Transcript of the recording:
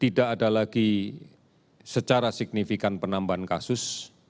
tidak ada lagi secara signifikan penambahan kasus